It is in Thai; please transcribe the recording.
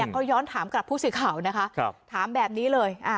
ก็ย้อนถามกับผู้สื่อข่าวนะคะถามแบบนี้เลย